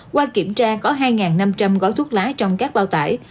qua kiểm tra có hai năm trăm linh gói thuốc lá trong các bao tải